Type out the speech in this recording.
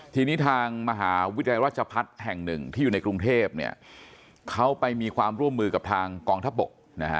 ทีนี้ทางมหาวิทยาลัยราชพัฒน์แห่งหนึ่งที่อยู่ในกรุงเทพเนี่ยเขาไปมีความร่วมมือกับทางกองทัพบกนะฮะ